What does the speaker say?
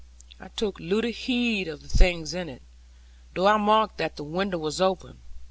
I took little heed of the things in it, though I marked that the window was open.